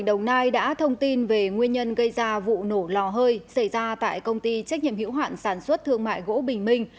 đồng nai đã thông tin về nguyên nhân gây ra vụ nổ lò hơi xảy ra tại công ty trách nhiệm hữu hoạn sản xuất thương mại gỗ bình minh